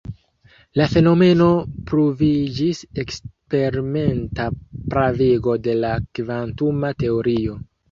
La fenomeno pruviĝis eksperimenta pravigo de la kvantuma teorio.